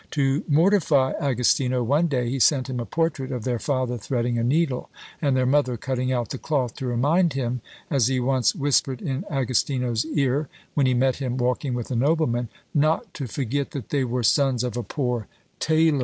To mortify Agostino, one day he sent him a portrait of their father threading a needle, and their mother cutting out the cloth, to remind him, as he once whispered in Agostino's ear, when he met him walking with a nobleman, "not to forget that they were sons of a poor tailor!"